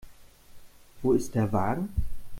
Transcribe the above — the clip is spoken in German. Wo ist der Wagen?